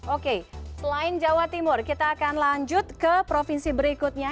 oke selain jawa timur kita akan lanjut ke provinsi berikutnya